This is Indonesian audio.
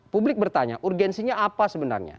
publik bertanya urgensinya apa sebenarnya